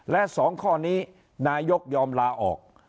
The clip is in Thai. และ๒ข้อนี้นายกยอมลาออก